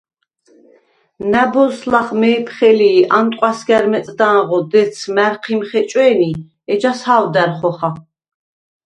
ნა̈ბოზს ლახ მე̄ფხე ლი ი ანტყვასგა̈რ მეწდანღო დეცს მა̈რჴიმ ხეჭვდე̄ნი, ეჩას ჰა̄ვდა̈რ ხოხა.